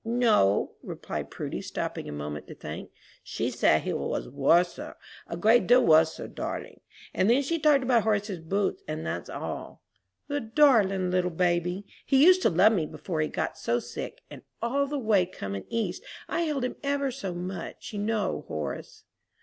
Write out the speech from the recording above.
"No," replied Prudy, stopping a moment to think; "she said he was wusser a great deal wusser, darling. And then she talked about Horace's boots, and that's all." "The darling little baby! He used to love me before he got so sick; and all the way coming East I held him ever so much, you know, Horace."